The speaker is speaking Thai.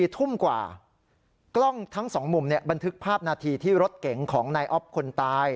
ทุ่มกว่ากล้องทั้ง๒มุมบันทึกภาพนาทีที่รถเก๋งของนายอ๊อฟคนตาย